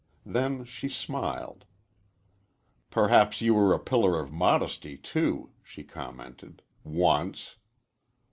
Then she smiled. "Perhaps you were a pillar of modesty, too," she commented, "once."